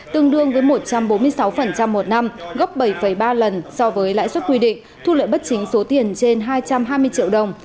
tương đương với một trăm bốn mươi sáu một năm gốc bảy ba lần so với lãi suất quy định thu lợi bất chính số tiền trên hai trăm hai mươi triệu đồng